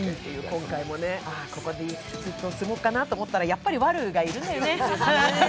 今回も、ここでずっと住もうかなと思ったらワルがいるのよね。